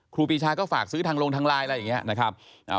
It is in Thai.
ครูปีชาก็ฝากซื้อทางลงทางลายอะไรอย่างนี้